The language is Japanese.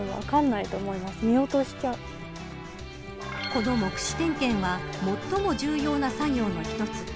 この目視点検は最も重要な作業の一つ。